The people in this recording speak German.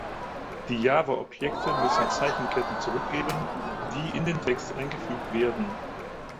Die Java-Objekte müssen Zeichenketten zurückgeben, die in den Text eingefügt werden.